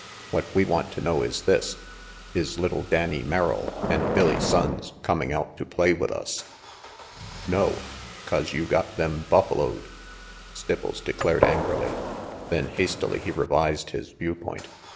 "What we want to know is this is little Danny Merrill and Billy Sonnes coming out to play with us?" "No, 'cause you got them buffaloed Stipples declared angrily; then hastily he revised his view point.